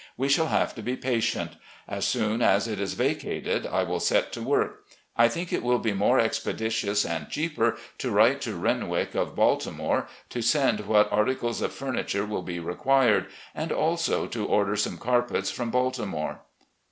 We shall have to be patient. As soon as it is vacated, I will set to work. I think it will be more expeditious and cheaper to write to Renwick [of Baltimore] to send what articles of furniture will be required, and also to order some carpets from Baltimore.